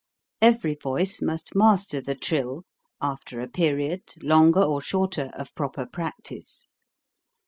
Every voice must master the trill, after a period, longer or shorter, of proper practice.